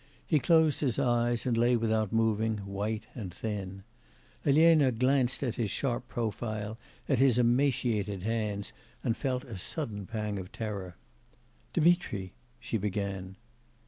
He closed his eyes, and lay without moving, white and thin. Elena glanced at his sharp profile, at his emaciated hands, and felt a sudden pang of terror. 'Dmitri,' she began.